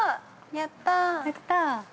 ◆やったー。